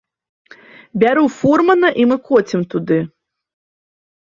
Бяру фурмана, і мы коцім туды.